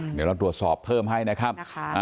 เดี๋ยวเราตรวจสอบเพิ่มให้นะครับ